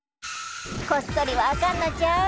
こっそりはあかんのちゃう？